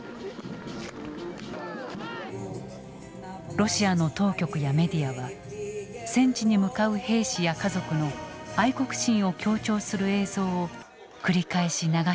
ロシアの当局やメディアは戦地に向かう兵士や家族の愛国心を強調する映像を繰り返し流してきた。